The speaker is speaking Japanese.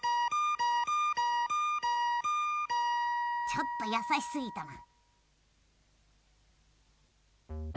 ちょっとやさしすぎたな。